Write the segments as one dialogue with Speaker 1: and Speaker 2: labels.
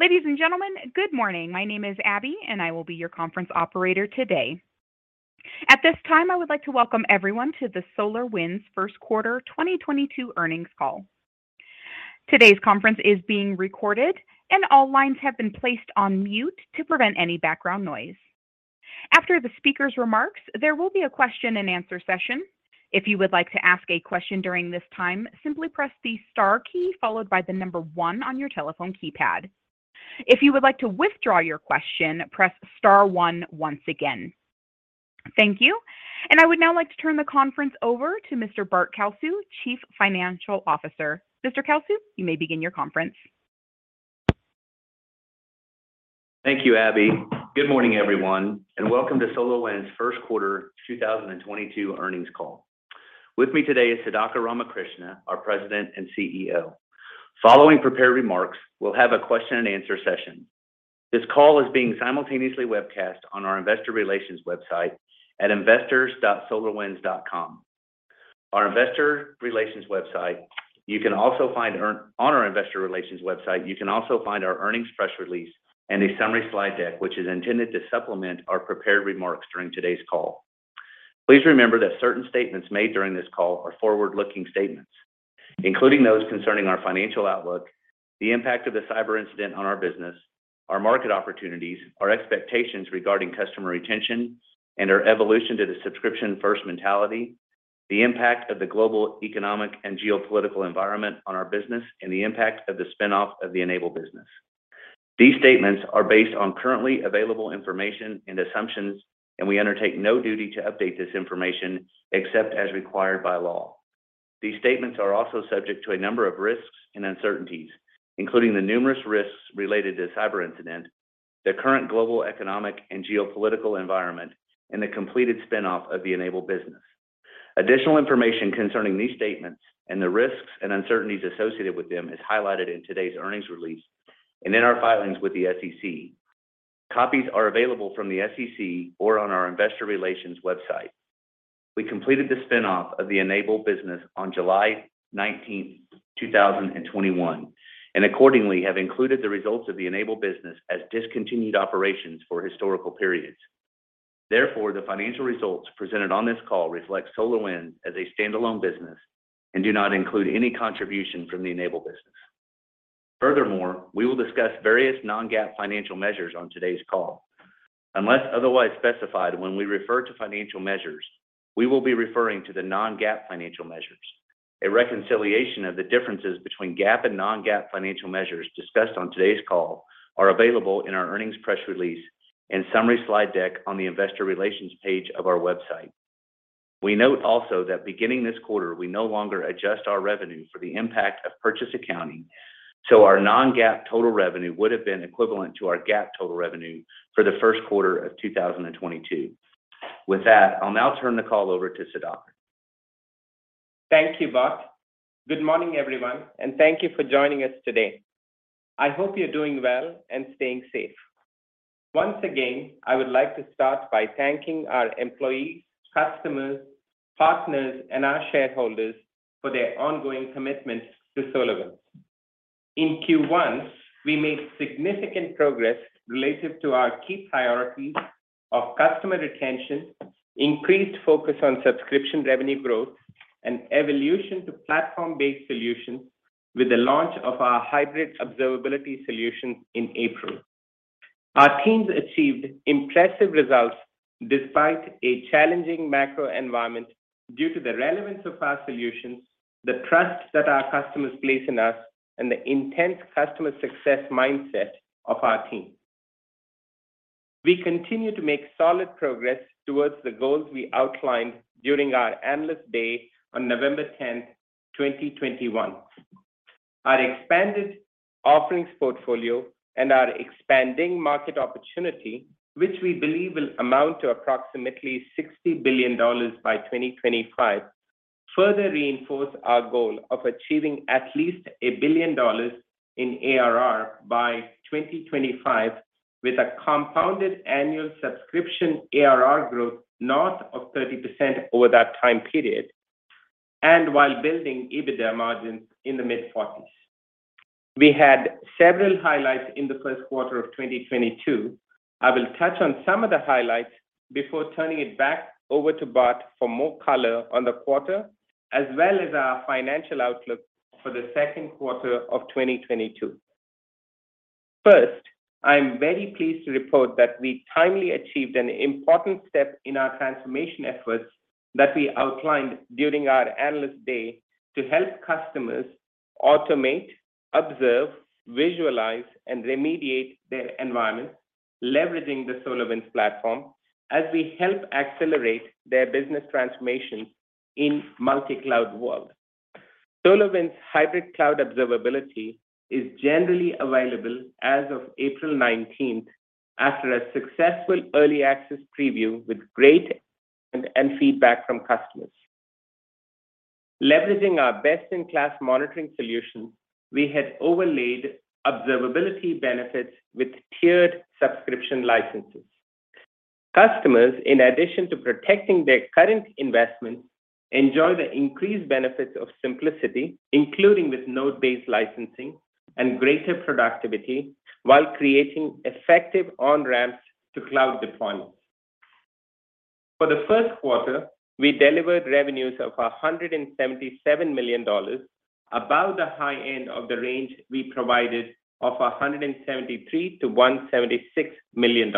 Speaker 1: Ladies and gentlemen, good morning. My name is Abby, and I will be your conference operator today. At this time, I would like to welcome everyone to the SolarWinds first quarter 2022 earnings call. Today's conference is being recorded and all lines have been placed on mute to prevent any background noise. After the speaker's remarks, there will be a question-and-answer session. If you would like to ask a question during this time, simply press the star key followed by the one on your telephone keypad. If you would like to withdraw your question, press star one once again. Thank you. I would now like to turn the conference over to Mr. Bart Kalsu, Chief Financial Officer. Mr. Kalsu, you may begin your conference.
Speaker 2: Thank you, Abby. Good morning, everyone, and welcome to SolarWinds first quarter 2022 earnings call. With me today is Sudhakar Ramakrishna, our President and CEO. Following prepared remarks, we'll have a question-and-answer session. This call is being simultaneously webcast on our investor relations website at investors.solarwinds.com. On our investor relations website, you can also find our earnings press release and a summary slide deck, which is intended to supplement our prepared remarks during today's call. Please remember that certain statements made during this call are forward-looking statements, including those concerning our financial outlook, the impact of the cyber incident on our business, our market opportunities, our expectations regarding customer retention, and our evolution to the subscription-first mentality, the impact of the global economic and geopolitical environment on our business, and the impact of the spin-off of the N-able business. These statements are based on currently available information and assumptions, and we undertake no duty to update this information except as required by law. These statements are also subject to a number of risks and uncertainties, including the numerous risks related to cyber incident, the current global economic and geopolitical environment, and the completed spin-off of the N-able business. Additional information concerning these statements and the risks and uncertainties associated with them is highlighted in today's earnings release and in our filings with the SEC. Copies are available from the SEC or on our investor relations website. We completed the spin-off of the N-able business on July 19th, 2021, and accordingly have included the results of the N-able business as discontinued operations for historical periods. Therefore, the financial results presented on this call reflect SolarWinds as a standalone business and do not include any contribution from the N-able business. Furthermore, we will discuss various non-GAAP financial measures on today's call. Unless otherwise specified when we refer to financial measures, we will be referring to the non-GAAP financial measures. A reconciliation of the differences between GAAP and non-GAAP financial measures discussed on today's call are available in our earnings press release and summary slide deck on the investor relations page of our website. We note also that beginning this quarter, we no longer adjust our revenue for the impact of purchase accounting, so our non-GAAP total revenue would have been equivalent to our GAAP total revenue for the first quarter of 2022. With that, I'll now turn the call over to Sudhakar.
Speaker 3: Thank you, Bart. Good morning, everyone, and thank you for joining us today. I hope you're doing well and staying safe. Once again, I would like to start by thanking our employees, customers, partners, and our shareholders for their ongoing commitment to SolarWinds. In Q1, we made significant progress related to our key priorities of customer retention, increased focus on subscription revenue growth, and evolution to platform-based solutions with the launch of our Hybrid Observability solution in April. Our teams achieved impressive results despite a challenging macro environment due to the relevance of our solutions, the trust that our customers place in us, and the intense customer success mindset of our team. We continue to make solid progress towards the goals we outlined during our Analyst Day on November 10th, 2021. Our expanded offerings portfolio and our expanding market opportunity, which we believe will amount to approximately $60 billion by 2025, further reinforce our goal of achieving at least $1 billion in ARR by 2025 with a compounded annual subscription ARR growth north of 30% over that time period, and while building EBITDA margins in the mid-40s. We had several highlights in the first quarter of 2022. I will touch on some of the highlights before turning it back over to Bart for more color on the quarter, as well as our financial outlook for the second quarter of 2022. First, I'm very pleased to report that we timely achieved an important step in our transformation efforts that we outlined during our Analyst Day to help customers automate, observe, visualize, and remediate their environment, leveraging the SolarWinds Platform as we help accelerate their business transformation in multi-cloud world. SolarWinds Hybrid Cloud Observability is generally available as of April 19th after a successful early access preview with great end-user feedback from customers. Leveraging our best-in-class monitoring solution, we had overlaid observability benefits with tiered subscription licenses. Customers, in addition to protecting their current investments, enjoy the increased benefits of simplicity, including with node-based licensing and greater productivity, while creating effective on-ramps to cloud deployments. For the first quarter, we delivered revenues of $177 million, above the high end of the range we provided of $173 million-$176 million.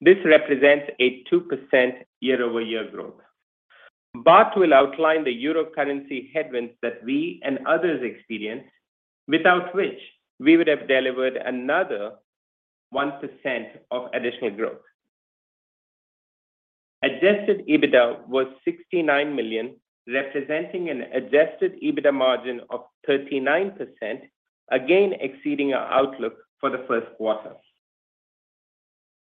Speaker 3: This represents a 2% year-over-year growth. Bart will outline the euro currency headwinds that we and others experience, without which we would have delivered another 1% of additional growth. Adjusted EBITDA was $69 million, representing an adjusted EBITDA margin of 39%, again exceeding our outlook for the first quarter.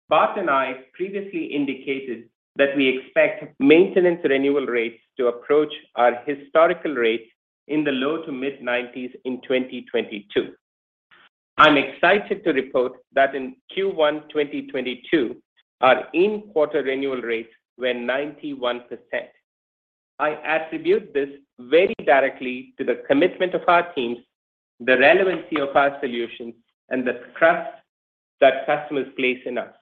Speaker 3: Bart and I previously indicated that we expect maintenance renewal rates to approach our historical rates in the low- to mid-90s in 2022. I'm excited to report that in Q1 2022, our in-quarter renewal rates were 91%. I attribute this very directly to the commitment of our teams, the relevancy of our solutions, and the trust that customers place in us.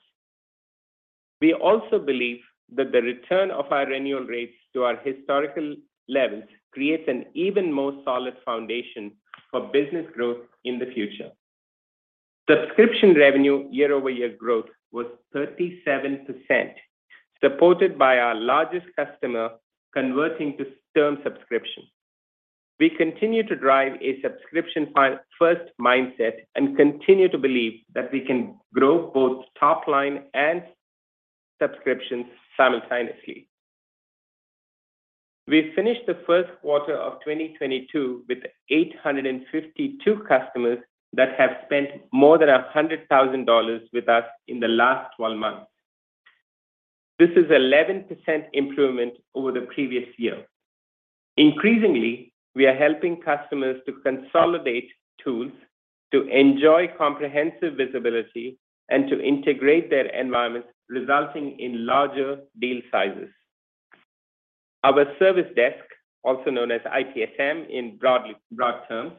Speaker 3: We also believe that the return of our renewal rates to our historical levels creates an even more solid foundation for business growth in the future. Subscription revenue year-over-year growth was 37%, supported by our largest customer converting to term subscription. We continue to drive a subscription first mindset and continue to believe that we can grow both top line and subscriptions simultaneously. We finished the first quarter of 2022 with 852 customers that have spent more than $100,000 with us in the last 12 months. This is 11% improvement over the previous year. Increasingly, we are helping customers to consolidate tools to enjoy comprehensive visibility and to integrate their environments, resulting in larger deal sizes. Our service desk, also known as ITSM in broad terms,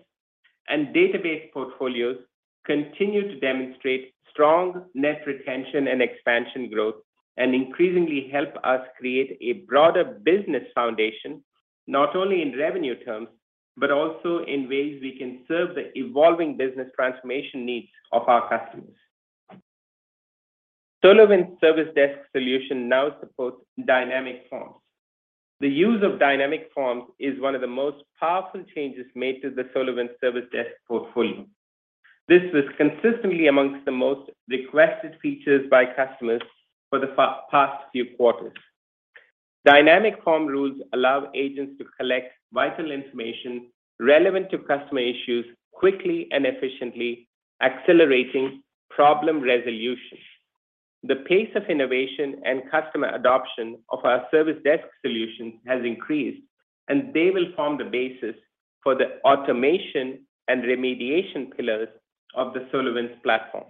Speaker 3: and database portfolios continue to demonstrate strong net retention and expansion growth and increasingly help us create a broader business foundation, not only in revenue terms, but also in ways we can serve the evolving business transformation needs of our customers. SolarWinds Service Desk solution now supports dynamic forms. The use of dynamic forms is one of the most powerful changes made to the SolarWinds Service Desk portfolio. This was consistently among the most requested features by customers for the past few quarters. Dynamic form rules allow agents to collect vital information relevant to customer issues quickly and efficiently, accelerating problem resolution. The pace of innovation and customer adoption of our service desk solution has increased, and they will form the basis for the automation and remediation pillars of the SolarWinds Platform.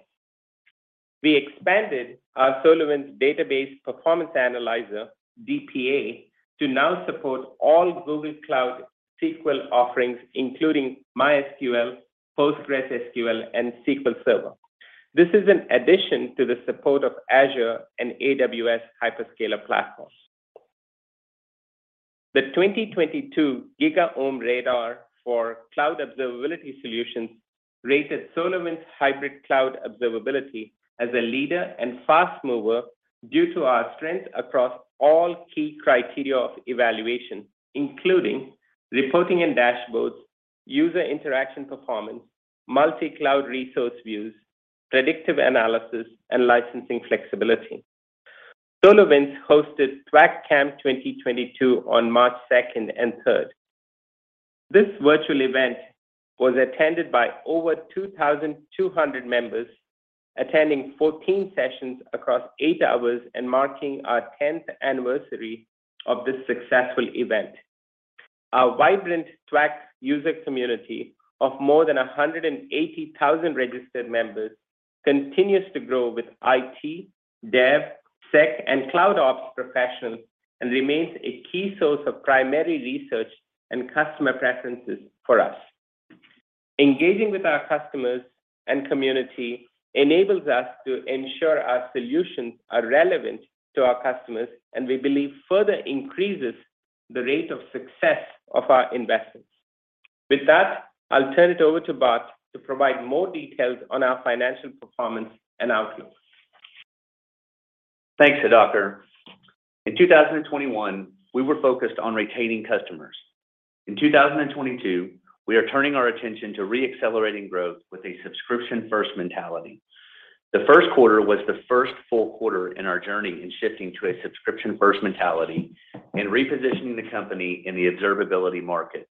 Speaker 3: We expanded our SolarWinds Database Performance Analyzer, DPA, to now support all Google Cloud SQL offerings, including MySQL, PostgreSQL, and SQL Server. This is an addition to the support of Azure and AWS hyperscaler platforms. The 2022 GigaOm Radar for Cloud Observability Solutions rated SolarWinds Hybrid Cloud Observability as a leader and fast mover due to our strength across all key criteria of evaluation, including reporting and dashboards, user interaction performance, multi-cloud resource views, predictive analysis, and licensing flexibility. SolarWinds hosted THWACKcamp 2022 on March 2nd and March 3rd. This virtual event was attended by over 2,200 members attending 14 sessions across eight hours and marking our 10th anniversary of this successful event. Our vibrant THWACK user community of more than 180,000 registered members continues to grow with IT, dev, sec, and CloudOps professionals and remains a key source of primary research and customer preferences for us. Engaging with our customers and community enables us to ensure our solutions are relevant to our customers, and we believe further increases the rate of success of our investments. With that, I'll turn it over to Bart to provide more details on our financial performance and outlook.
Speaker 2: Thanks, Sudhakar. In 2021, we were focused on retaining customers. In 2022, we are turning our attention to re-accelerating growth with a subscription-first mentality. The first quarter was the first full quarter in our journey in shifting to a subscription-first mentality and repositioning the company in the observability market.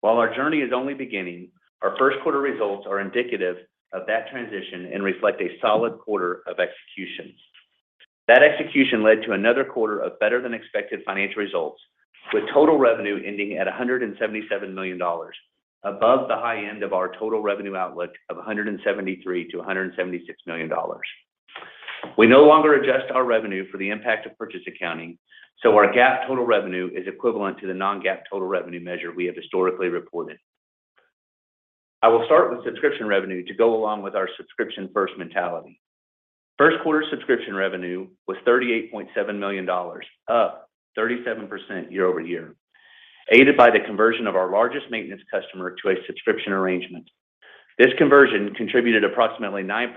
Speaker 2: While our journey is only beginning, our first quarter results are indicative of that transition and reflect a solid quarter of execution. That execution led to another quarter of better than expected financial results. With total revenue ending at $177 million, above the high end of our total revenue outlook of $173 million-$176 million. We no longer adjust our revenue for the impact of purchase accounting, so our GAAP total revenue is equivalent to the non-GAAP total revenue measure we have historically reported. I will start with subscription revenue to go along with our subscription-first mentality. First quarter subscription revenue was $38.7 million, up 37% year-over-year, aided by the conversion of our largest maintenance customer to a subscription arrangement. This conversion contributed approximately 9%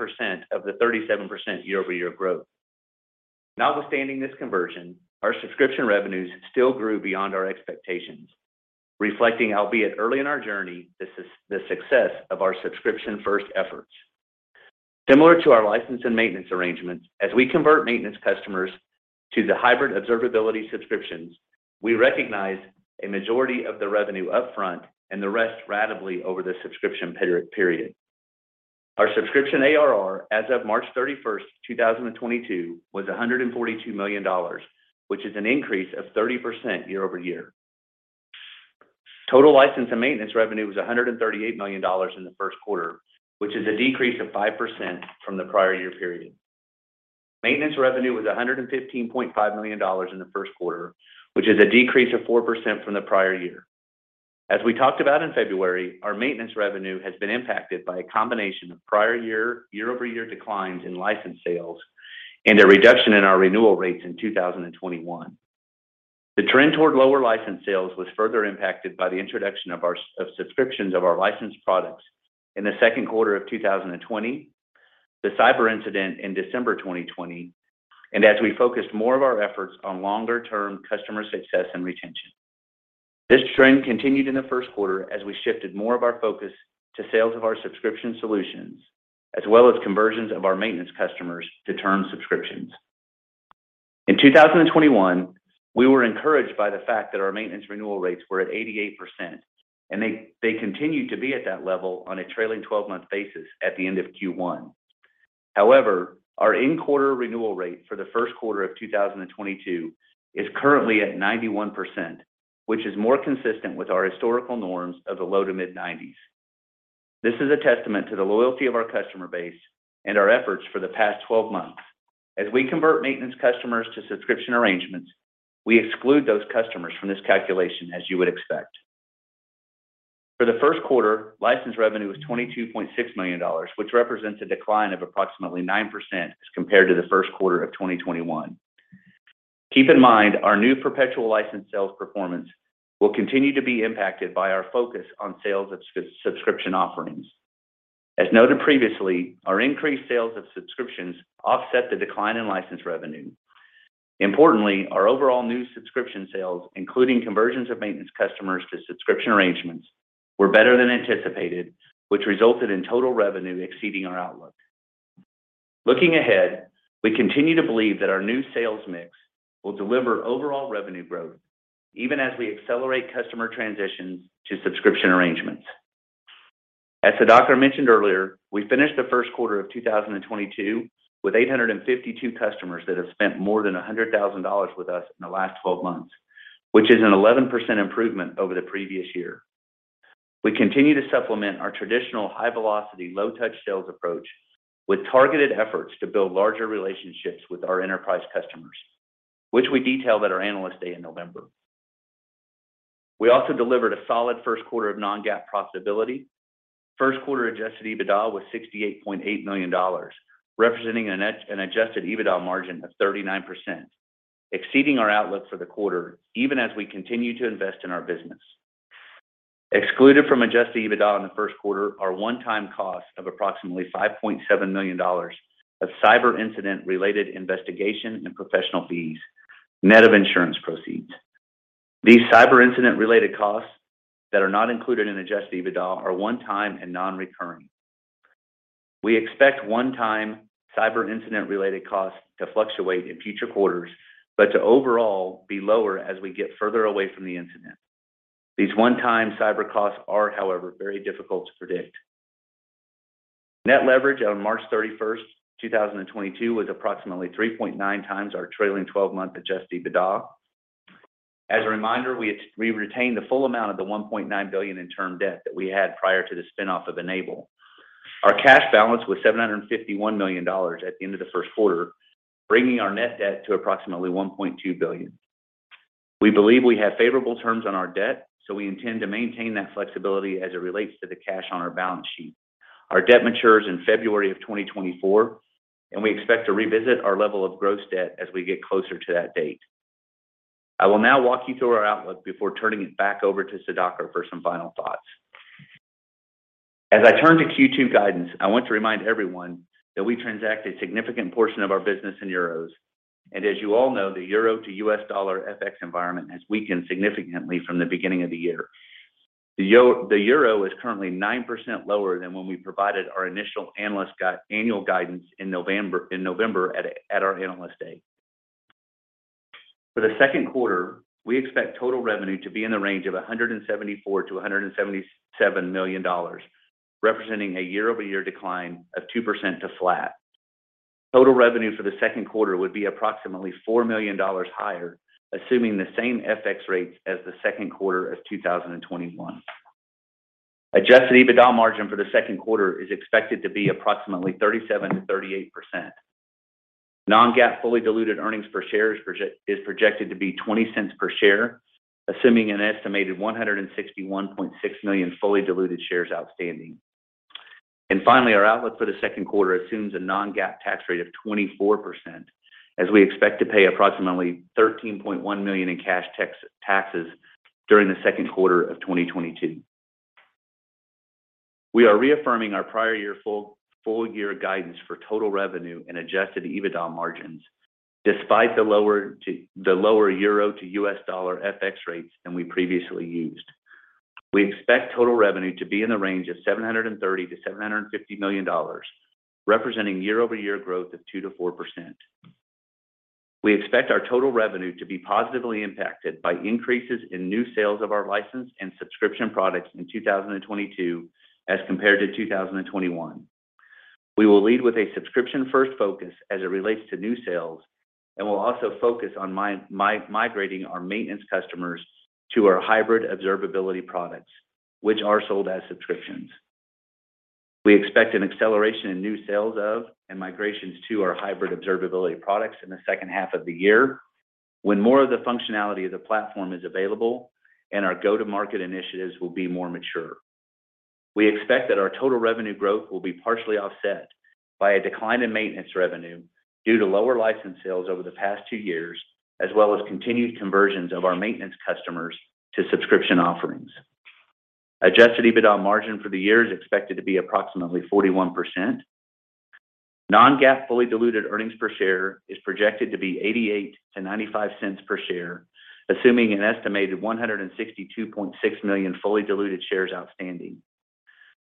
Speaker 2: of the 37% year-over-year growth. Notwithstanding this conversion, our subscription revenues still grew beyond our expectations, reflecting, albeit early in our journey, the success of our subscription-first efforts. Similar to our license and maintenance arrangements, as we convert maintenance customers to the Hybrid Observability subscriptions, we recognize a majority of the revenue up front and the rest ratably over the subscription period. Our subscription ARR as of March 31st, 2022 was $142 million, which is an increase of 30% year-over-year. Total license and maintenance revenue was $138 million in the first quarter, which is a decrease of 5% from the prior year period. Maintenance revenue was $115.5 million in the first quarter, which is a decrease of 4% from the prior year. As we talked about in February, our maintenance revenue has been impacted by a combination of prior year, year-over-year declines in license sales and a reduction in our renewal rates in 2021. The trend toward lower license sales was further impacted by the introduction of our suite of subscriptions of our licensed products in the second quarter of 2020, the cyber incident in December 2020, and as we focused more of our efforts on longer-term customer success and retention. This trend continued in the first quarter as we shifted more of our focus to sales of our subscription solutions, as well as conversions of our maintenance customers to term subscriptions. In 2021, we were encouraged by the fact that our maintenance renewal rates were at 88%, and they continued to be at that level on a trailing 12-month basis at the end of Q1. However, our in-quarter renewal rate for the first quarter of 2022 is currently at 91%, which is more consistent with our historical norms of the low to mid-90s. This is a testament to the loyalty of our customer base and our efforts for the past 12 months. As we convert maintenance customers to subscription arrangements, we exclude those customers from this calculation, as you would expect. For the first quarter, license revenue was $22.6 million, which represents a decline of approximately 9% as compared to the first quarter of 2021. Keep in mind, our new perpetual license sales performance will continue to be impacted by our focus on sales of subscription offerings. As noted previously, our increased sales of subscriptions offset the decline in license revenue. Importantly, our overall new subscription sales, including conversions of maintenance customers to subscription arrangements, were better than anticipated, which resulted in total revenue exceeding our outlook. Looking ahead, we continue to believe that our new sales mix will deliver overall revenue growth even as we accelerate customer transitions to subscription arrangements. As Sudhakar mentioned earlier, we finished the first quarter of 2022 with 852 customers that have spent more than $100,000 with us in the last 12 months, which is an 11% improvement over the previous year. We continue to supplement our traditional high-velocity, low-touch sales approach with targeted efforts to build larger relationships with our enterprise customers, which we detailed at our Analyst Day in November. We also delivered a solid first quarter of non-GAAP profitability. First quarter adjusted EBITDA was $68.8 million, representing an adjusted EBITDA margin of 39%, exceeding our outlook for the quarter even as we continue to invest in our business. Excluded from adjusted EBITDA in the first quarter are one-time costs of approximately $5.7 million of cyber incident-related investigation and professional fees, net of insurance proceeds. These cyber incident-related costs that are not included in adjusted EBITDA are one time and non-recurring. We expect one-time cyber incident-related costs to fluctuate in future quarters, but to overall be lower as we get further away from the incident. These one-time cyber costs are, however, very difficult to predict. Net leverage on March 31st, 2022 was approximately 3.9x our trailing twelve-month adjusted EBITDA. As a reminder, we retained the full amount of the $1.9 billion in term debt that we had prior to the spinoff of N-able. Our cash balance was $751 million at the end of the first quarter, bringing our net debt to approximately $1.2 billion. We believe we have favorable terms on our debt, so we intend to maintain that flexibility as it relates to the cash on our balance sheet. Our debt matures in February 2024, and we expect to revisit our level of gross debt as we get closer to that date. I will now walk you through our outlook before turning it back over to Sudhakar for some final thoughts. As I turn to Q2 guidance, I want to remind everyone that we transact a significant portion of our business in euros, and as you all know, the euro to US dollar FX environment has weakened significantly from the beginning of the year. The euro is currently 9% lower than when we provided our initial analyst annual guidance in November at our Analyst Day. For the second quarter, we expect total revenue to be in the range of $174 million-$177 million, representing a year-over-year decline of 2% to flat. Total revenue for the second quarter would be approximately $4 million higher, assuming the same FX rates as the second quarter of 2021. Adjusted EBITDA margin for the second quarter is expected to be approximately 37%-38%. Non-GAAP fully diluted earnings per share is projected to be $0.20 per share, assuming an estimated 161.6 million fully diluted shares outstanding. Finally, our outlook for the second quarter assumes a non-GAAP tax rate of 24%, as we expect to pay approximately $13.1 million in cash taxes during the second quarter of 2022. We are reaffirming our prior year full year guidance for total revenue and adjusted EBITDA margins despite the lower the lower euro to US dollar FX rates than we previously used. We expect total revenue to be in the range of $730 million-$750 million, representing year-over-year growth of 2%-4%. We expect our total revenue to be positively impacted by increases in new sales of our licensed and subscription products in 2022 as compared to 2021. We will lead with a subscription-first focus as it relates to new sales, and we'll also focus on migrating our maintenance customers to our Hybrid Observability products, which are sold as subscriptions. We expect an acceleration in new sales of and migrations to our Hybrid Observability products in the second half of the year, when more of the functionality of the platform is available and our go-to-market initiatives will be more mature. We expect that our total revenue growth will be partially offset by a decline in maintenance revenue due to lower license sales over the past two years, as well as continued conversions of our maintenance customers to subscription offerings. Adjusted EBITDA margin for the year is expected to be approximately 41%. Non-GAAP fully diluted earnings per share is projected to be $0.88-$0.95 per share, assuming an estimated 162.6 million fully diluted shares outstanding.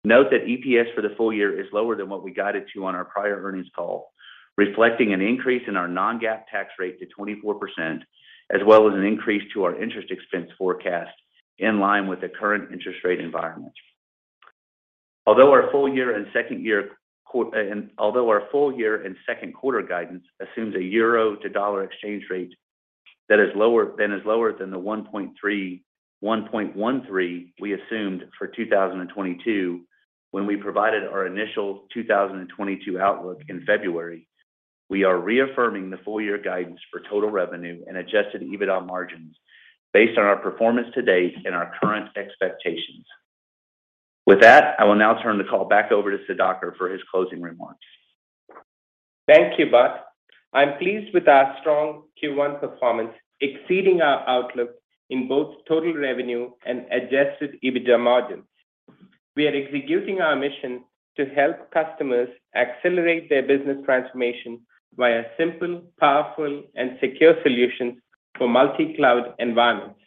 Speaker 2: Note that EPS for the full year is lower than what we guided to on our prior earnings call, reflecting an increase in our non-GAAP tax rate to 24%, as well as an increase to our interest expense forecast in line with the current interest rate environment. Although our full year and second quarter guidance assumes a euro to dollar exchange rate that is lower than the 1.13 we assumed for 2022 when we provided our initial 2022 outlook in February, we are reaffirming the full year guidance for total revenue and adjusted EBITDA margins based on our performance to date and our current expectations. With that, I will now turn the call back over to Sudhakar for his closing remarks.
Speaker 3: Thank you, Bart. I'm pleased with our strong Q1 performance, exceeding our outlook in both total revenue and adjusted EBITDA margins. We are executing our mission to help customers accelerate their business transformation via simple, powerful, and secure solutions for multi-cloud environments.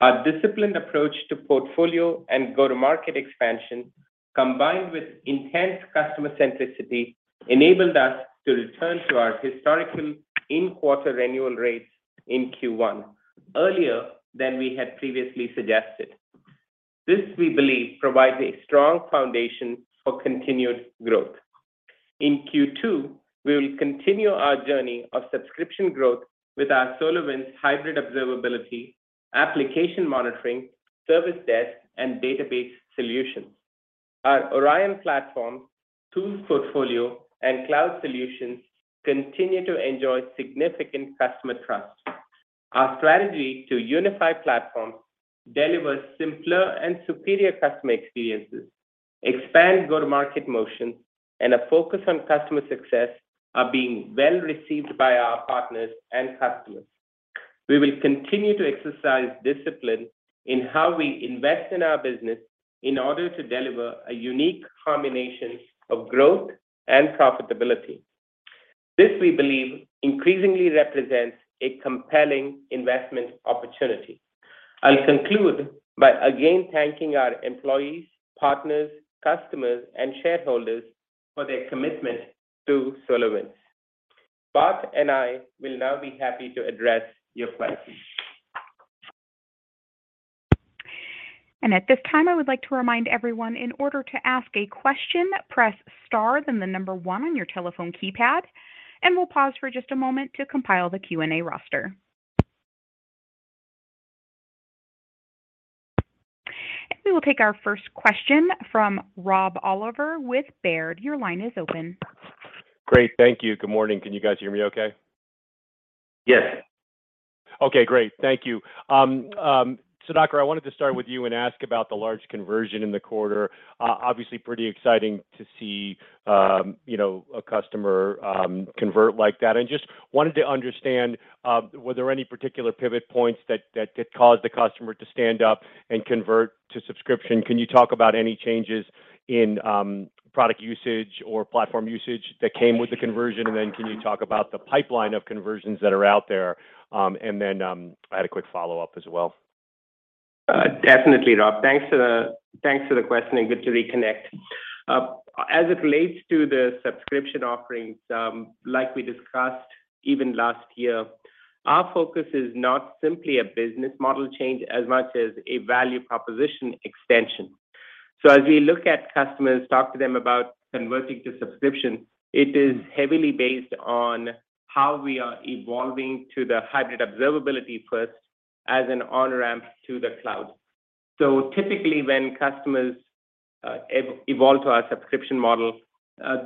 Speaker 3: Our disciplined approach to portfolio and go-to-market expansion, combined with intense customer centricity, enabled us to return to our historical in-quarter annual rates in Q1, earlier than we had previously suggested. This, we believe, provides a strong foundation for continued growth. In Q2, we will continue our journey of subscription growth with our SolarWinds Hybrid Cloud Observability, application monitoring, SolarWinds Service Desk, and database solutions. Our Orion Platform, tools portfolio, and cloud solutions continue to enjoy significant customer trust. Our strategy to unify platforms, deliver simpler and superior customer experiences, expand go-to-market motion, and a focus on customer success are being well-received by our partners and customers. We will continue to exercise discipline in how we invest in our business in order to deliver a unique combination of growth and profitability. This, we believe, increasingly represents a compelling investment opportunity. I'll conclude by again thanking our employees, partners, customers, and shareholders for their commitment to SolarWinds. Bart and I will now be happy to address your questions.
Speaker 1: At this time, I would like to remind everyone in order to ask a question, press star, then the one on your telephone keypad, and we'll pause for just a moment to compile the Q&A roster. We will take our first question from Rob Oliver with Baird. Your line is open.
Speaker 4: Great. Thank you. Good morning. Can you guys hear me okay?
Speaker 3: Yes.
Speaker 4: Okay, great. Thank you. Sudhakar, I wanted to start with you and ask about the large conversion in the quarter. Obviously pretty exciting to see, you know, a customer convert like that. I just wanted to understand, were there any particular pivot points that caused the customer to stand up and convert to subscription? Can you talk about any changes in product usage or platform usage that came with the conversion? And then can you talk about the pipeline of conversions that are out there? And then I had a quick follow-up as well.
Speaker 3: Definitely, Rob. Thanks for the question, and good to reconnect. As it relates to the subscription offerings, like we discussed even last year, our focus is not simply a business model change as much as a value proposition extension. As we look at customers, talk to them about converting to subscription, it is heavily based on how we are evolving to the Hybrid Observability first as an on-ramp to the cloud. Typically when customers evolve to our subscription model,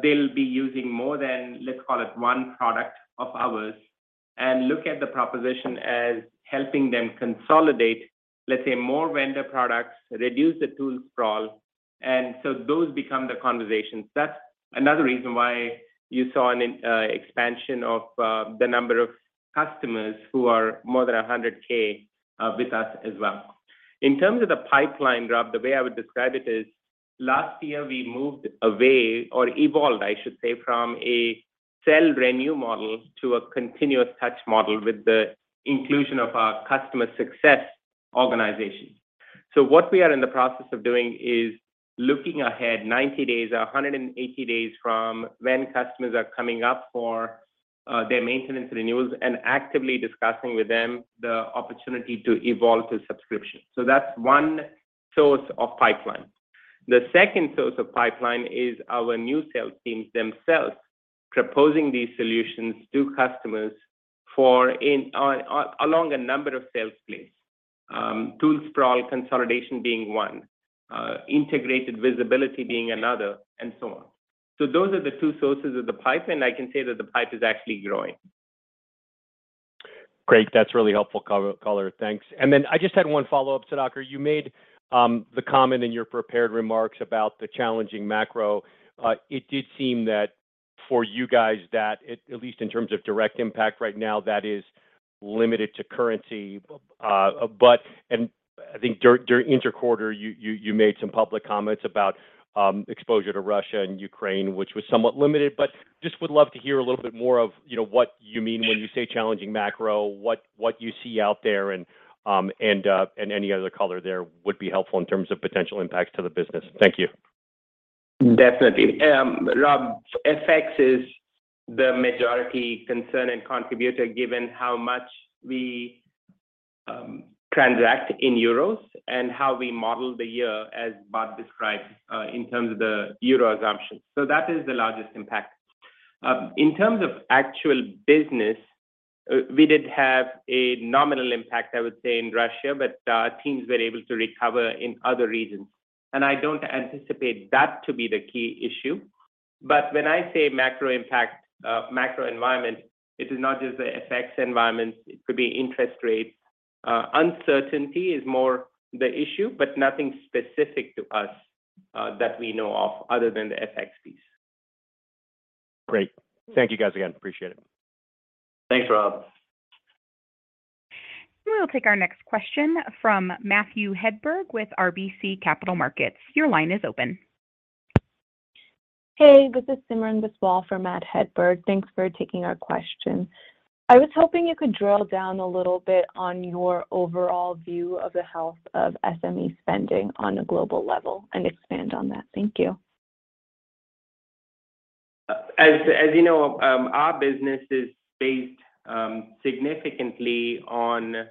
Speaker 3: they'll be using more than, let's call it one product of ours, and look at the proposition as helping them consolidate, let's say more vendor products, reduce the tool sprawl. Those become the conversations. That's another reason why you saw an expansion of the number of customers who are more than 100,000 with us as well. In terms of the pipeline, Rob, the way I would describe it is last year we moved away or evolved, I should say, from a sell renew model to a continuous touch model with the inclusion of our customer success organization. What we are in the process of doing is looking ahead 90 days or 180 days from when customers are coming up for their maintenance renewals and actively discussing with them the opportunity to evolve to subscription. That's one source of pipeline. The second source of pipeline is our new sales teams themselves proposing these solutions to customers along a number of sales plays. Tool sprawl consolidation being one, integrated visibility being another, and so on. Those are the two sources of the pipe, and I can say that the pipe is actually growing.
Speaker 4: Great. That's really helpful, color. Thanks. Then I just had one follow-up, Sudhakar. You made the comment in your prepared remarks about the challenging macro. It did seem that for you guys that it, at least in terms of direct impact right now, that is limited to currency. But I think during the quarter, you made some public comments about exposure to Russia and Ukraine, which was somewhat limited, but just would love to hear a little bit more of, you know, what you mean when you say challenging macro, what you see out there, and any other color there would be helpful in terms of potential impacts to the business. Thank you.
Speaker 3: Definitely. Rob, FX is the majority concern and contributor given how much we transact in euros and how we model the year as Bart described in terms of the euro assumptions. That is the largest impact. In terms of actual business, we did have a nominal impact, I would say in Russia, but our teams were able to recover in other regions, and I don't anticipate that to be the key issue. When I say macro impact, macro environment, it is not just the FX environment, it could be interest rate. Uncertainty is more the issue, but nothing specific to us that we know of other than the FX piece.
Speaker 4: Great. Thank you guys again. Appreciate it.
Speaker 3: Thanks, Rob.
Speaker 1: We'll take our next question from Matt Hedberg with RBC Capital Markets. Your line is open.
Speaker 5: Hey, this is Simran Biswal for Matt Hedberg. Thanks for taking our question. I was hoping you could drill down a little bit on your overall view of the health of SME spending on a global level and expand on that. Thank you.
Speaker 3: You know, our business is based significantly on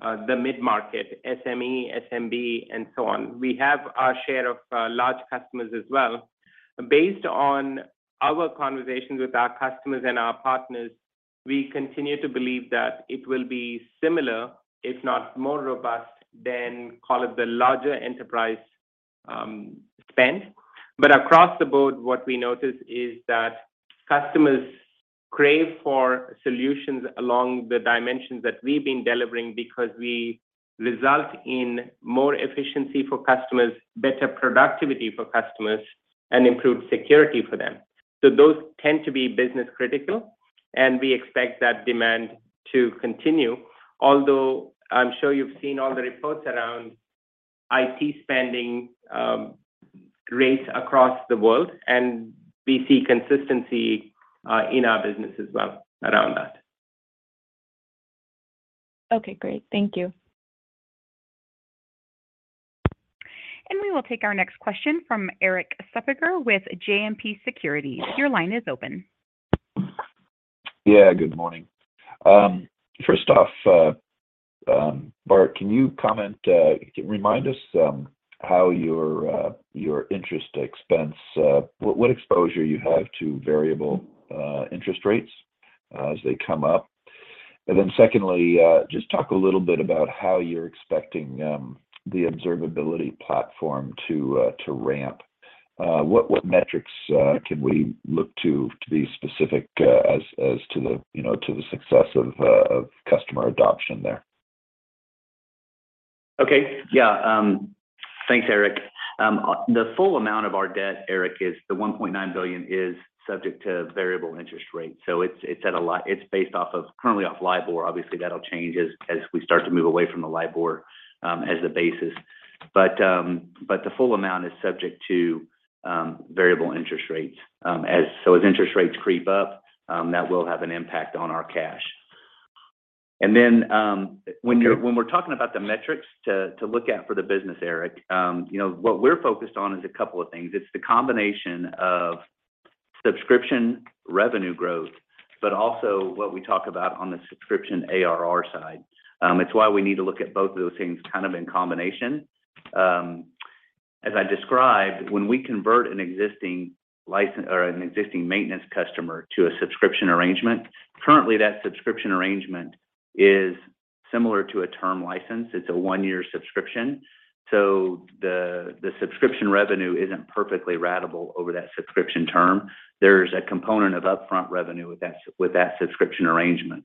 Speaker 3: the mid-market SME, SMB and so on. We have our share of large customers as well. Based on our conversations with our customers and our partners, we continue to believe that it will be similar, if not more robust than call it the larger enterprise spend. Across the board, what we notice is that customers crave for solutions along the dimensions that we've been delivering because we result in more efficiency for customers, better productivity for customers, and improved security for them. Those tend to be business critical, and we expect that demand to continue, although I'm sure you've seen all the reports around IT spending rates across the world, and we see consistency in our business as well around that.
Speaker 5: Okay, great. Thank you.
Speaker 1: We will take our next question from Erik Suppiger with JMP Securities. Your line is open.
Speaker 6: Yeah. Good morning. First off, Bart, can you comment, remind us, how your interest expense, what exposure you have to variable interest rates, as they come up? Then secondly, just talk a little bit about how you're expecting the observability platform to ramp. What metrics can we look to be specific, as to the, you know, to the success of customer adoption there?
Speaker 2: Okay. Yeah. Thanks, Erik. The full amount of our debt, Erik, is $1.9 billion subject to variable interest rates. It's based off of currently off LIBOR. Obviously, that'll change as we start to move away from the LIBOR as the basis. The full amount is subject to variable interest rates. As interest rates creep up, that will have an impact on our cash. When we're talking about the metrics to look at for the business, Erik, you know, what we're focused on is a couple of things. It's the combination of subscription revenue growth, but also what we talk about on the subscription ARR side. It's why we need to look at both of those things kind of in combination. As I described, when we convert an existing license or an existing maintenance customer to a subscription arrangement, currently that subscription arrangement is similar to a term license. It's a one-year subscription. The subscription revenue isn't perfectly ratable over that subscription term. There's a component of upfront revenue with that subscription arrangement.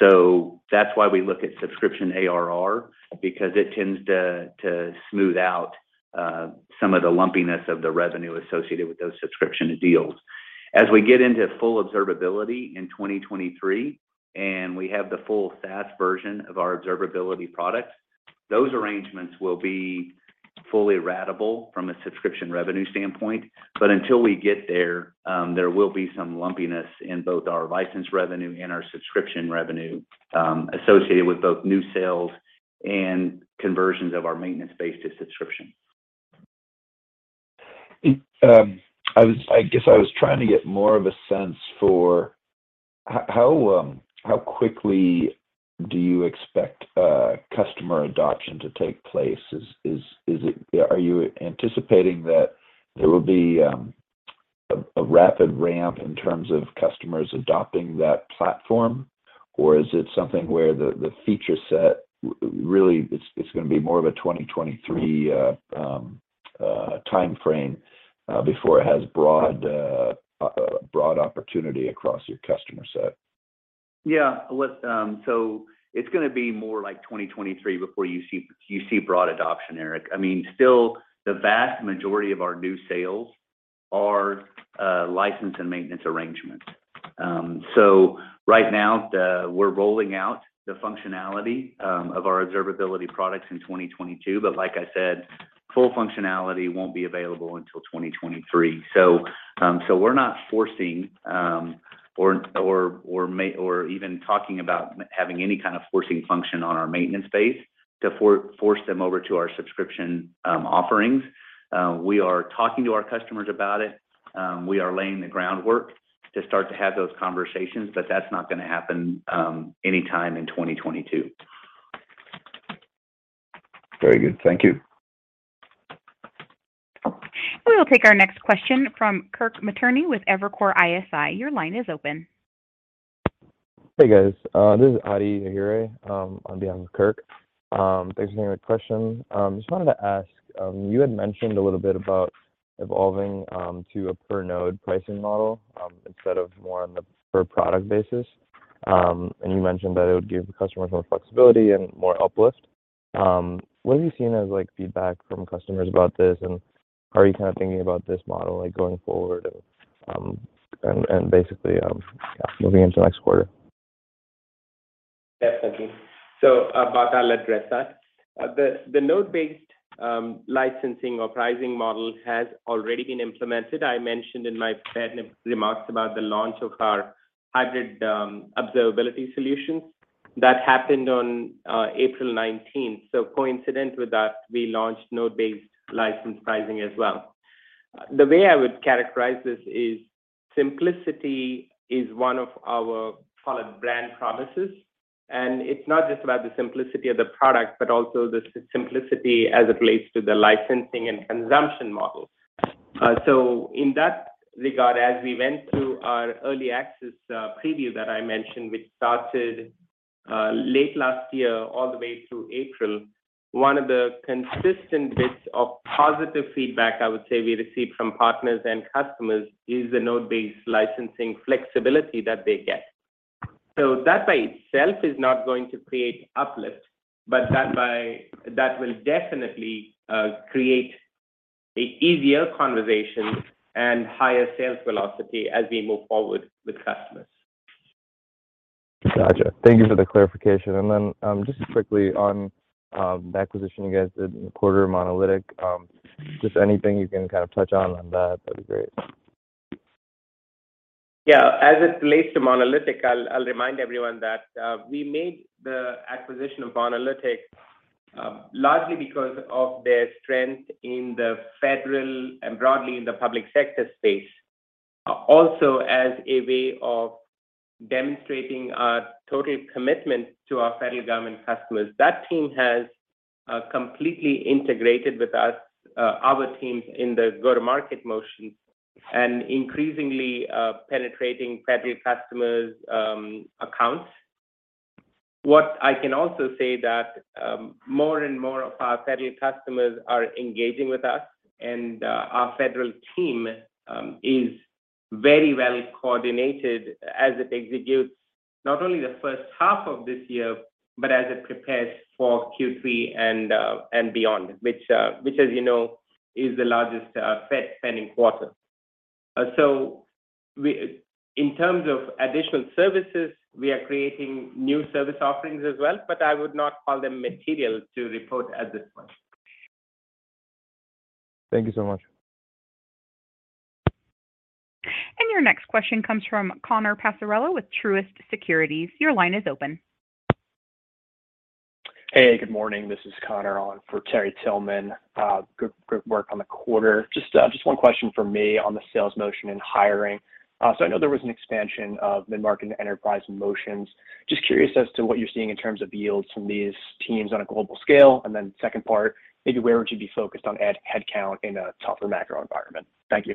Speaker 2: That's why we look at subscription ARR because it tends to smooth out some of the lumpiness of the revenue associated with those subscription deals. As we get into full observability in 2023, and we have the full SaaS version of our observability products, those arrangements will be fully ratable from a subscription revenue standpoint. Until we get there will be some lumpiness in both our license revenue and our subscription revenue associated with both new sales and conversions of our maintenance base to subscription.
Speaker 6: I guess I was trying to get more of a sense for how quickly do you expect customer adoption to take place? Are you anticipating that there will be a rapid ramp in terms of customers adopting that platform? Is it something where the feature set really is gonna be more of a 2023 timeframe before it has broad opportunity across your customer set?
Speaker 2: Yeah. It's gonna be more like 2023 before you see broad adoption, Erik. I mean, still, the vast majority of our new sales are license and maintenance arrangements. Right now, we're rolling out the functionality of our observability products in 2022, but like I said, full functionality won't be available until 2023. We're not forcing or even talking about having any kind of forcing function on our maintenance base to force them over to our subscription offerings. We are talking to our customers about it. We are laying the groundwork to start to have those conversations, but that's not gonna happen anytime in 2022.
Speaker 6: Very good. Thank you.
Speaker 1: We will take our next question from Kirk Materne with Evercore ISI. Your line is open.
Speaker 7: Hey, guys. This is Adi Ahire on behalf of Kirk. Thanks for taking my question. Just wanted to ask, you had mentioned a little bit about evolving to a per node pricing model instead of more on the per product basis. You mentioned that it would give the customer more flexibility and more uplift. What are you seeing as, like, feedback from customers about this, and are you kind of thinking about this model, like, going forward, and basically, yeah, moving into next quarter?
Speaker 3: Definitely. Bart will address that. The node-based licensing or pricing model has already been implemented. I mentioned in my prepared remarks about the launch of our Hybrid Observability solutions. That happened on April 19th. Coincident with that, we launched node-based license pricing as well. The way I would characterize this is simplicity is one of our followed brand promises, and it's not just about the simplicity of the product, but also the simplicity as it relates to the licensing and consumption model. In that regard, as we went through our early access preview that I mentioned, which started late last year all the way through April, one of the consistent bits of positive feedback I would say we received from partners and customers is the node-based licensing flexibility that they get. That by itself is not going to create uplift, but that will definitely create an easier conversation and higher sales velocity as we move forward with customers.
Speaker 7: Gotcha. Thank you for the clarification. Just quickly on the acquisition you guys did in the quarter, Monalitic. Just anything you can kind of touch on that'd be great.
Speaker 3: Yeah. As it relates to Monalitic, I'll remind everyone that we made the acquisition of Monalitic largely because of their strength in the federal and broadly in the public sector space, also as a way of demonstrating our total commitment to our federal government customers. That team has completely integrated with us, our teams in the go-to-market motion and increasingly penetrating federal customers' accounts. What I can also say that more and more of our federal customers are engaging with us, and our federal team is very well coordinated as it executes not only the first half of this year, but as it prepares for Q3 and beyond, which, as you know, is the largest federal spending quarter. So we. In terms of additional services, we are creating new service offerings as well, but I would not call them material to report at this point.
Speaker 7: Thank you so much.
Speaker 1: Your next question comes from Connor Passarella with Truist Securities. Your line is open.
Speaker 8: Hey, good morning. This is Connor on for Terry Tillman. Good work on the quarter. Just one question from me on the sales motion and hiring. So I know there was an expansion of mid-market and enterprise motions. Just curious as to what you're seeing in terms of yields from these teams on a global scale. Second part, maybe where would you be focused on headcount in a tougher macro environment? Thank you.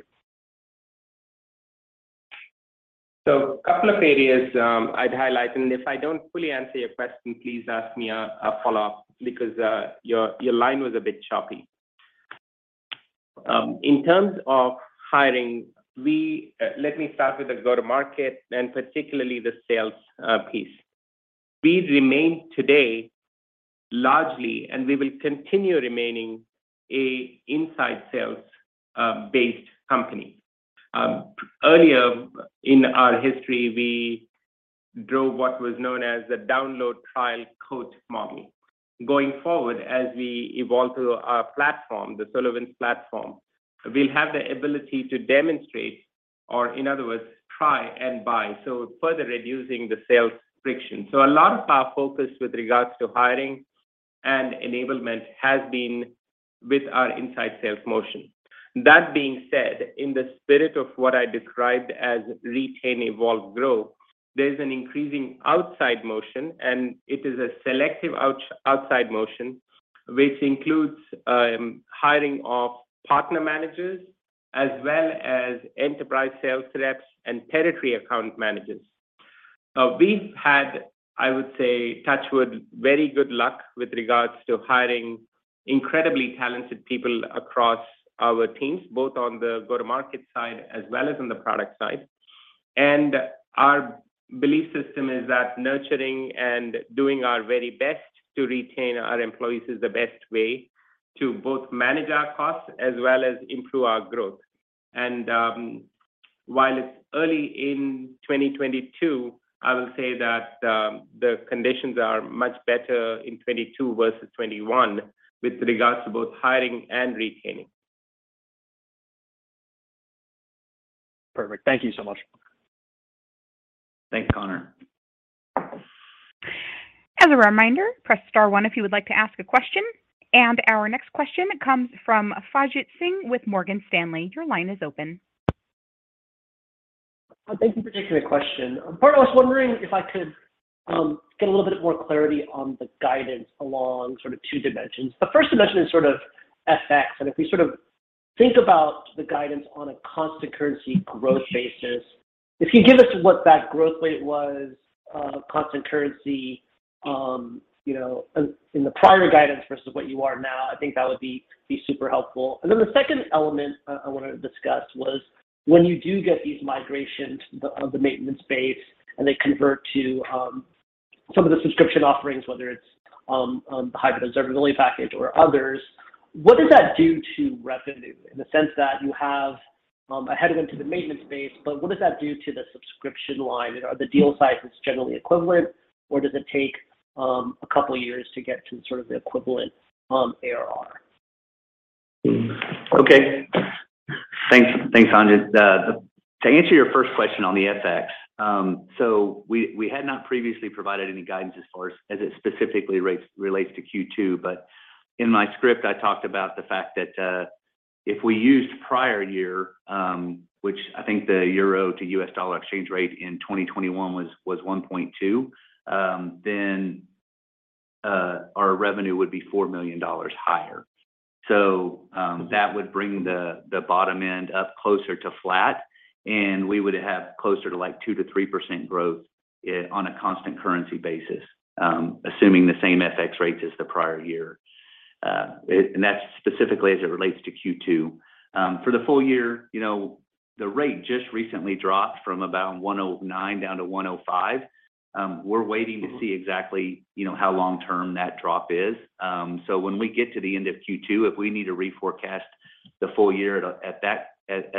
Speaker 2: A couple of areas I'd highlight, and if I don't fully answer your question, please ask me a follow-up because your line was a bit choppy. In terms of hiring, let me start with the go-to-market and particularly the sales piece. We remain today largely, and we will continue remaining a inside sales based company. Earlier in our history, we drove what was known as a download trial quote model. Going forward, as we evolve through our platform, the SolarWinds platform, we'll have the ability to demonstrate, or in other words, try and buy, so further reducing the sales friction. A lot of our focus with regards to hiring and enablement has been with our inside sales motion. That being said, in the spirit of what I described as retain, evolve, grow, there's an increasing outside motion, and it is a selective outside motion, which includes hiring of partner managers as well as enterprise sales reps and territory account managers. We've had, I would say, touch wood, very good luck with regards to hiring incredibly talented people across our teams, both on the go-to-market side as well as on the product side. While it's early in 2022, I will say that the conditions are much better in 2022 versus 2021 with regards to both hiring and retaining.
Speaker 8: Perfect. Thank you so much.
Speaker 2: Thanks, Connor.
Speaker 1: As a reminder, press star one if you would like to ask a question. Our next question comes from Sanjit Singh with Morgan Stanley. Your line is open.
Speaker 9: Thank you for taking the question. I was wondering if I could get a little bit more clarity on the guidance along sort of two dimensions. The first dimension is sort of FX. If we sort of think about the guidance on a constant currency growth basis, if you give us what that growth rate was, constant currency, you know, in the prior guidance versus what you are now, I think that would be super helpful. The second element I wanna discuss was when you do get these migrations of the maintenance base and they convert to some of the subscription offerings, whether it's the Hybrid Observability package or others, what does that do to revenue in the sense that you have a headwind to the maintenance base, but what does that do to the subscription line? Are the deal sizes generally equivalent, or does it take a couple years to get to sort of the equivalent ARR?
Speaker 2: Okay. Thanks. Thanks, Sanjit. To answer your first question on the FX, so we had not previously provided any guidance as far as it specifically relates to Q2. In my script, I talked about the fact that if we used prior year, which I think the euro to US dollar exchange rate in 2021 was 1.2%, then our revenue would be $4 million higher. That would bring the bottom end up closer to flat, and we would have closer to, like, 2%-3% growth on a constant currency basis, assuming the same FX rates as the prior year. That's specifically as it relates to Q2. For the full year, you know, the rate just recently dropped from about 1.09% down to 1.05%. We're waiting to see exactly, you know, how long term that drop is. When we get to the end of Q2, if we need to reforecast the full year at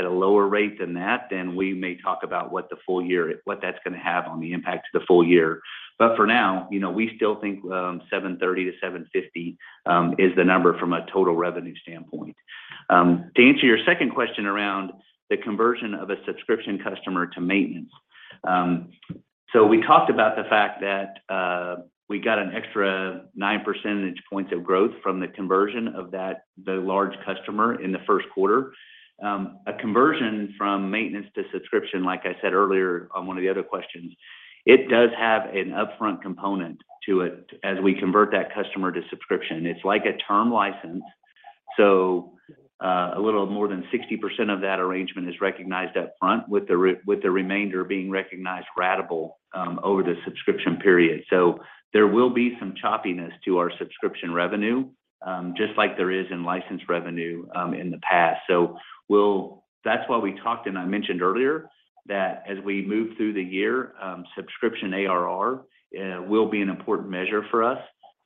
Speaker 2: a lower rate than that, then we may talk about what that's gonna have on the impact to the full year. For now, you know, we still think $730 million-$750 million is the number from a total revenue standpoint. To answer your second question around the conversion of a subscription customer to maintenance. We talked about the fact that we got an extra 9 percentage points of growth from the conversion of that large customer in the first quarter. A conversion from maintenance to subscription, like I said earlier on one of the other questions, it does have an upfront component to it as we convert that customer to subscription. It's like a term license, so, a little more than 60% of that arrangement is recognized up front with the remainder being recognized ratable over the subscription period. There will be some choppiness to our subscription revenue, just like there is in license revenue, in the past. That's why we talked, and I mentioned earlier that as we move through the year, subscription ARR will be an important measure for us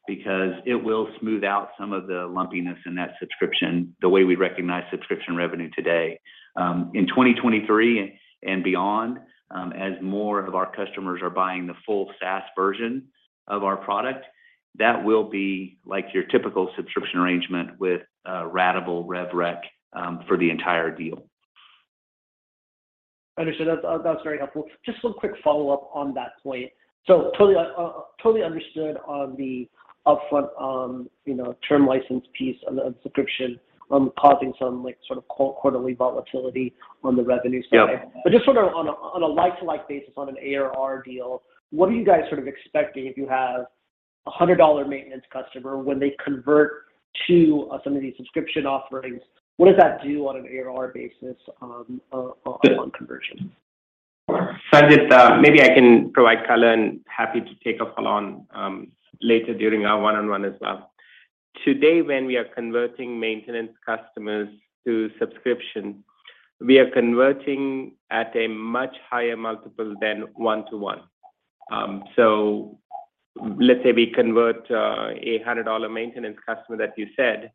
Speaker 2: because it will smooth out some of the lumpiness in that subscription the way we recognize subscription revenue today. In 2023 and beyond, as more of our customers are buying the full SaaS version of our product, that will be like your typical subscription arrangement with a ratable rev rec for the entire deal.
Speaker 9: Understood. That's very helpful. Just one quick follow-up on that point. Totally understood on the upfront, you know, term license piece on the subscription, causing some like sort of quarterly volatility on the revenue side.
Speaker 2: Yeah.
Speaker 9: Just sort of on a like-for-like basis on an ARR deal, what are you guys sort of expecting if you have a $100 maintenance customer when they convert to some of these subscription offerings? What does that do on an ARR basis on conversion?
Speaker 2: Sanjit, maybe I can provide color and happy to take a follow on, later during our one-on-one as well. Today, when we are converting maintenance customers to subscription, we are converting at a much higher multiple than one-to-one. Let's say we convert a $100 maintenance customer that you said,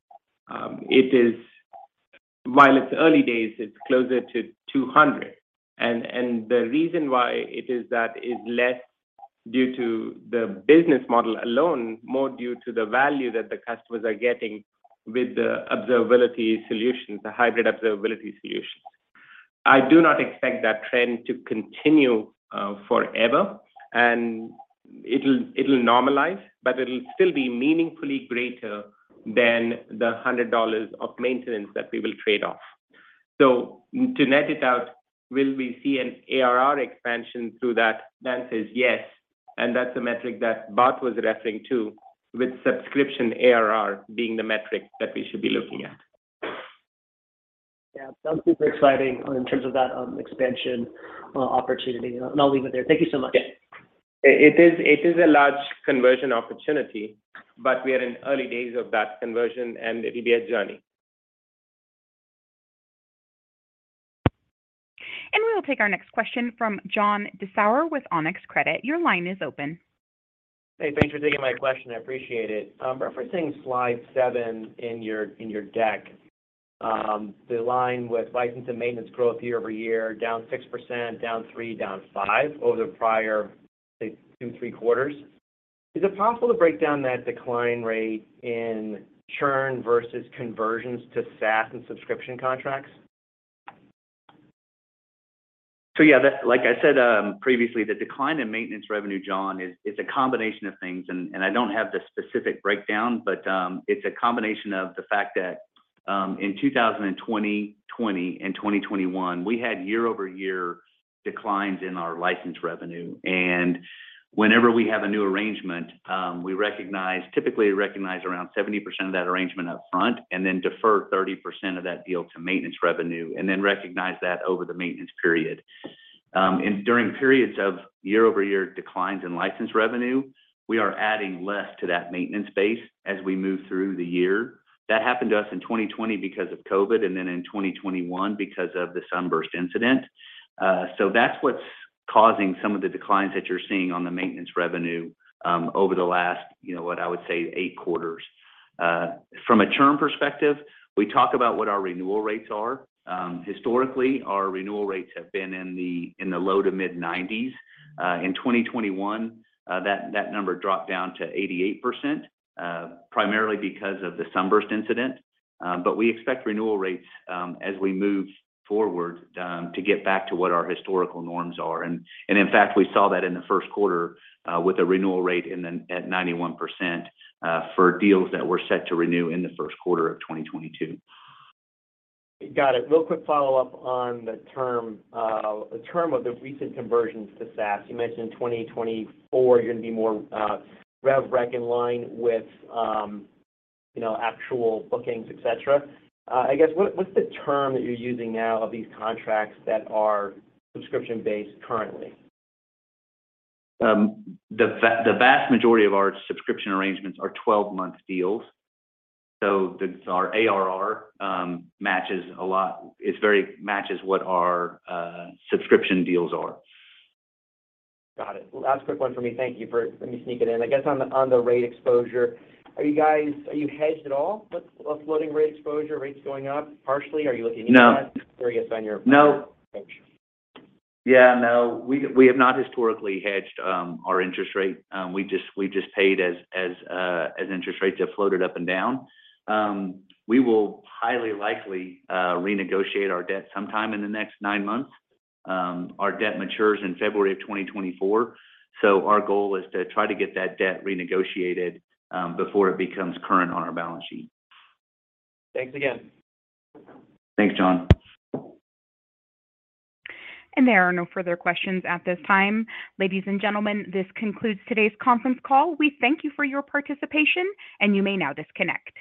Speaker 2: while it's early days, it's closer to $200. The reason why it is that is less due to the business model alone, more due to the value that the customers are getting with the observability solutions, the Hybrid Observability solutions. I do not expect that trend to continue forever, and it'll normalize, but it'll still be meaningfully greater than the $100 of maintenance that we will trade off. To net it out, will we see an ARR expansion through that? The answer is yes, and that's a metric that Bart was referring to, with subscription ARR being the metric that we should be looking at.
Speaker 9: Yeah. Sounds super exciting in terms of that, expansion, opportunity. I'll leave it there. Thank you so much.
Speaker 2: Yeah. It is a large conversion opportunity, but we are in early days of that conversion, and it will be a journey.
Speaker 1: We will take our next question from John Dessauer with Onex Credit. Your line is open.
Speaker 10: Hey, thanks for taking my question. I appreciate it. Referencing Slide seven in your deck, the line with license and maintenance growth year-over-year, down 6%, down 3%, down 5% over the prior, say, two, three quarters. Is it possible to break down that decline rate in churn versus conversions to SaaS and subscription contracts?
Speaker 2: Like I said, previously, the decline in maintenance revenue, John, is a combination of things. I don't have the specific breakdown, but it's a combination of the fact that in 2020 and 2021, we had year-over-year declines in our license revenue. Whenever we have a new arrangement, we typically recognize around 70% of that arrangement up front and then defer 30% of that deal to maintenance revenue and then recognize that over the maintenance period. During periods of year-over-year declines in license revenue, we are adding less to that maintenance base as we move through the year. That happened to us in 2020 because of COVID and then in 2021 because of the SUNBURST incident. That's what's causing some of the declines that you're seeing on the maintenance revenue over the last, you know, what I would say eight quarters. From a churn perspective, we talk about what our renewal rates are. Historically, our renewal rates have been in the low to mid-90s. In 2021, that number dropped down to 88%, primarily because of the SUNBURST incident. We expect renewal rates, as we move forward, to get back to what our historical norms are. In fact, we saw that in the first quarter with a renewal rate at 91% for deals that were set to renew in the first quarter of 2022.
Speaker 10: Got it. Real quick follow-up on the term of the recent conversions to SaaS. You mentioned in 2024 you're gonna be more rev rec in line with you know actual bookings etc. I guess what's the term that you're using now of these contracts that are subscription-based currently?
Speaker 2: The vast majority of our subscription arrangements are 12-month deals. Our ARR matches a lot. It matches what our subscription deals are.
Speaker 10: Got it. Last quick one for me. Thank you for letting me sneak it in. I guess on the rate exposure, are you guys hedged at all with offloading rate exposure, rates going up partially? Are you looking into that?
Speaker 2: No.
Speaker 10: Curious on your-
Speaker 2: No.
Speaker 10: Okay.
Speaker 2: Yeah, no, we have not historically hedged our interest rate. We just paid as interest rates have floated up and down. We will highly likely renegotiate our debt sometime in the next nine months. Our debt matures in February of 2024, so our goal is to try to get that debt renegotiated before it becomes current on our balance sheet.
Speaker 10: Thanks again.
Speaker 2: Thanks, John.
Speaker 1: There are no further questions at this time. Ladies and gentlemen, this concludes today's conference call. We thank you for your participation, and you may now disconnect.